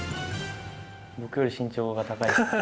僕より身長が高い。